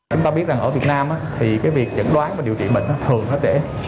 chúng ta biết rằng ở việt nam thì việc chẩn đoán và điều trị bệnh thường nó trễ